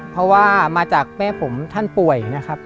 เพราะว่ามาจากแม่ผมท่านป่วยนะครับ